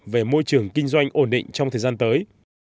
về môi trường kinh doanh ổn định trong thời gian tới